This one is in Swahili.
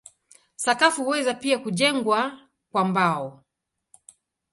Sakafu huweza pia kujengwa kwa mbao.